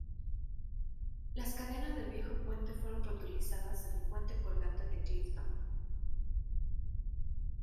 Las cadenas del viejo puente fueron reutilizadas en el Puente colgante de Clifton.